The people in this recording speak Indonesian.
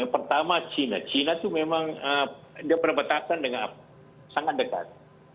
pertama china china itu memang dia berbatasan dengan sangat dekat